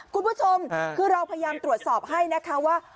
คุณผู้ชมคือเราพยายามตรวจสอบให้นะคะว่า